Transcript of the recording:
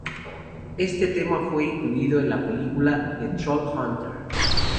Este tema fue incluido en la película "The Troll Hunter".